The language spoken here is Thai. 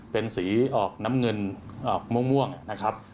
เป็นสีออกน้ำเงินออกม่วงนะครับ